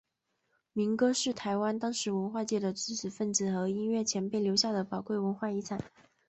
民歌是台湾当时文化界的知识份子和音乐前辈留下的宝贵的文化遗产。